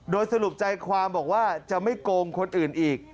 โดยสรุปใจความบอกว่าจะไม่โกงคนอื่นอีก